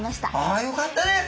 あよかったです。